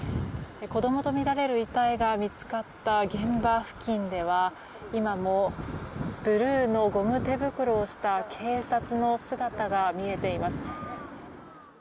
子供とみられる遺体が見つかった現場付近では今もブルーのゴム手袋をした警察の姿が見えています。